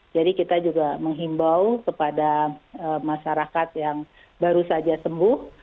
jadi kita juga menghimbau kepada masyarakat yang baru saja sembuh